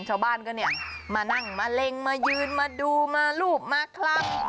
ชาวบ้านก็เนี่ยมานั่งมะเล็งมายืนมาดูมารูปมาคลำ